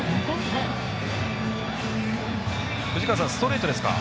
藤川さん、ストレートですか。